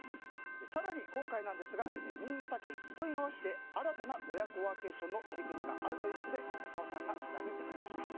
更に今回、新潟県糸魚川市で新たな親子ワーケーションの取り組みがあるということで横澤さんが取材に行ってくれました。